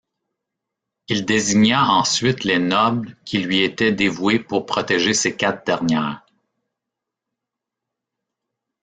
Il désigna ensuite les nobles qui lui étaient dévoués pour protéger ces quatre dernières.